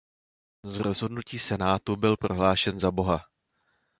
Z rozhodnutí senátu byl prohlášen za boha.